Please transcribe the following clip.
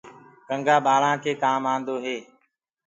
ڪنٚگآ ٻݪورآوآ ڪي ڪآم آندو هي۔